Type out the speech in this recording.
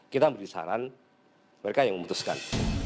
kita beri saran mereka yang memutuskan